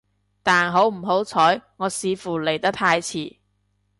但好唔好彩，我似乎嚟得太遲